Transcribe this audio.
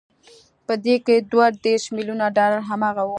په دې کې دوه دېرش ميليونه ډالر هماغه وو.